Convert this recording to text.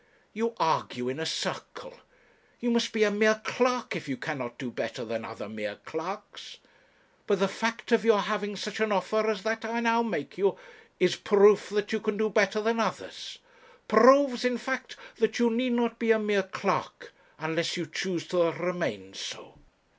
You argue in a circle. You must be a mere clerk if you cannot do better than other mere clerks. But the fact of your having such an offer as that I now make you, is proof that you can do better than others; proves, in fact, that you need not be a mere clerk, unless you choose to remain so.'